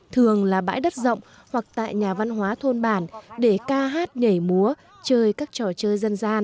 thường là bãi đất rộng hoặc tại nhà văn hóa thôn bản để ca hát nhảy múa chơi các trò chơi dân gian